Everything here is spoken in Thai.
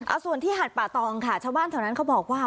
เอาส่วนที่หาดป่าตองค่ะชาวบ้านแถวนั้นเขาบอกว่า